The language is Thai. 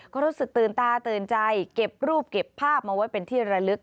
ก็รู้สึกตื่นตาตื่นใจเก็บรูปเก็บภาพมาไว้เป็นที่ระลึก